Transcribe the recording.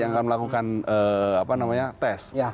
yang akan melakukan tes